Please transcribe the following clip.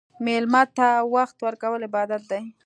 مېلمه ته وخت ورکول عبادت دی.